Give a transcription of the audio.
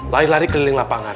lari lari keliling lapangan